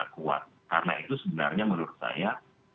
kuat karena itu sebenarnya menurut saya